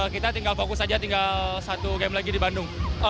kita tinggal fokus aja tinggal satu game lagi di bandung